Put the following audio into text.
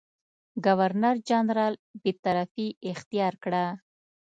ګورنرجنرال بېطرفي اختیار کړه.